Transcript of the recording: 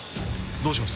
どうします？